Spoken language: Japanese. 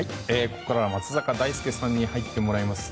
ここからは松坂大輔さんに入ってもらいます。